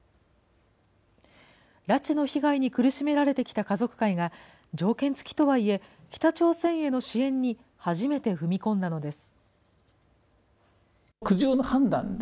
拉致の被害に苦しめられてきた家族会が、条件付きとはいえ、北朝鮮への支援に初めて踏み込んだのです。